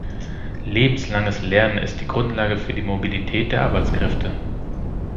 Lebenslanges Lernen ist die Grundlage für die Mobilität der Arbeitskräfte.